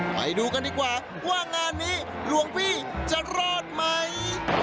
ไปดูกันดีกว่าว่างานนี้หลวงพี่จะรอดไหม